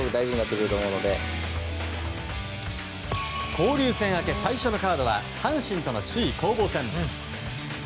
交流戦明けの最初カードは阪神との首位攻防戦。